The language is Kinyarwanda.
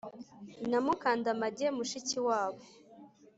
na mukandamage mushiki wabo